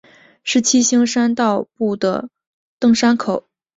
是七星山步道的登山口。